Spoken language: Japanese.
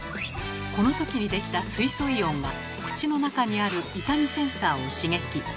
この時に出来た水素イオンが口の中にある痛みセンサーを刺激。